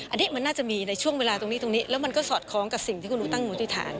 อันนี้มันน่าจะมีในช่วงเวลาตรงนี้ตรงนี้แล้วมันก็สอดคล้องกับสิ่งที่คุณหนูตั้งมูลติฐาน